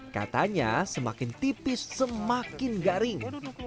katanya semakin tipis semakin garing